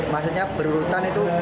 maksudnya berurutan itu